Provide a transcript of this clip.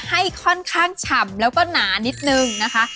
ให้ค่อนข้างฉ่ำแล้วก็หนานิดนึงนะคะ